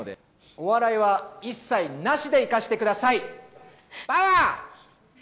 お笑いは一切なしでいかしてください。